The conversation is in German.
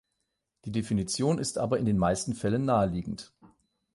Die Definition ist aber in den meisten Fällen naheliegend.